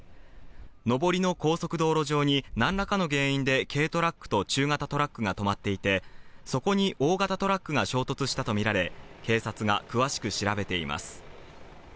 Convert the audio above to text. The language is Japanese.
上りの高速道路上に何らかの原因で軽トラックと中型トラックが止まっていて、そこに大型トラックが衝突したとみられ、警察が詳しく調べています。